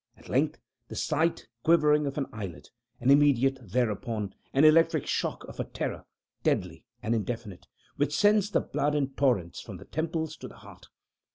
At length the slight quivering of an eyelid, and immediately thereupon, an electric shock of a terror, deadly and indefinite, which sends the blood in torrents from the temples to the heart.